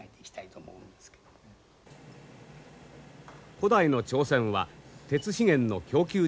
古代の朝鮮は鉄資源の供給地であった。